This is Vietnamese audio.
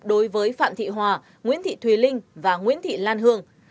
đối với phạm thị hòa nguyễn thị thùy linh và nguyễn thị lan hương